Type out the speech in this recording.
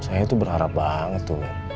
saya tuh berharap banget tuh